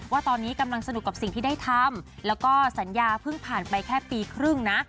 ว่าตอนนี้กำลังสนุกกับสิ่งที่ได้ทำแล้วก็สัญญาเพิ่งผ่านไปแค่ปีครึ่งนะ